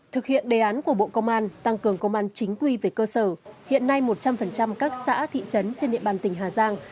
thực hiện đề án của bộ công an tăng cường công an chính quy về cơ sở hiện nay một trăm linh các xã thị trấn trên địa bàn tỉnh hà giang